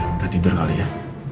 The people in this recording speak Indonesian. udah tidur kali ya